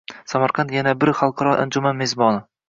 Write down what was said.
Samarqand yana bir xalqaro anjuman mezboni